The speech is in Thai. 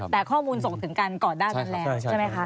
แต่ข้อมูลส่งถึงกันก่อนหน้านั้นแล้วใช่ไหมคะ